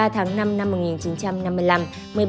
một mươi ba tháng năm năm một nghìn chín trăm năm mươi năm